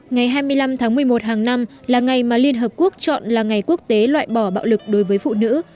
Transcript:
ngày hai mươi năm tháng một mươi một hàng năm là ngày mà liên hợp quốc chọn là ngày quốc tế loại bỏ bạo lực đối với phụ nữ